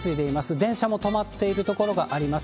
電車も止まっている所があります。